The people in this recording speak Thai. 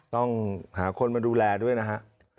ต้องหาคนมาดูแลด้วยนะฮะ